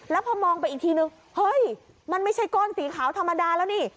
แล้วพอมองไปอีกทีนึงเฮ้ยมันไม่ใช่ก้อนสีขาวธรรมดาแล้วนี่